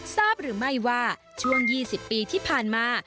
ทราบหรือไม่ว่าช่วง๒๐ปีที่ผ่านมา